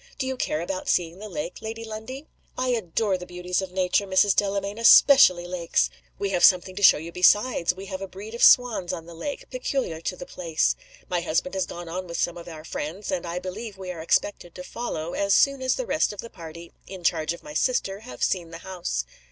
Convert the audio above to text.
Do you care about seeing the lake, Lady Lundie?" "I adore the beauties of Nature, Mrs. Delamayn especially lakes!" "We have something to show you besides; we have a breed of swans on the lake, peculiar to the place. My husband has gone on with some of our friends; and I believe we are expected to follow, as soon as the rest of the party in charge of my sister have seen the house."